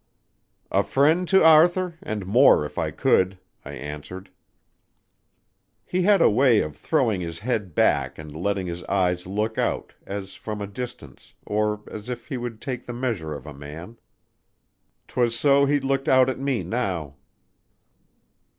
"A friend to Arthur and more if I could," I answered. He had a way of throwing his head back and letting his eyes look out, as from a distance, or as if he would take the measure of a man. 'Twas so he looked out at me now.